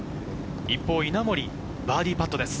一方、稲森、バーディーパットです。